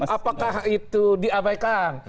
apakah itu diabaikan